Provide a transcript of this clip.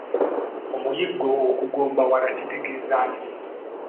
Omuyiggo okugombawala kitegeeza ki?